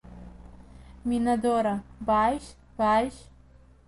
Минадора, бааишь, бааишь!